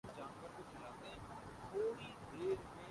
کیا دنیا میں الرجی واقعی بڑھ رہی ہے